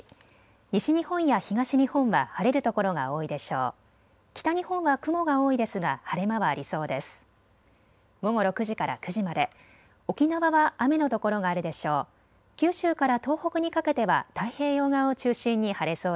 西日本や東日本は晴れるところが多いでしょう。